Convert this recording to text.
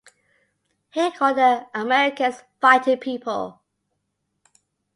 He called the Americans "fighting people".